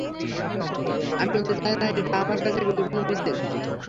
আমি শুনতে চাই না, এটা আমার কাছে গুরুত্বপূর্ণ, মিশেল।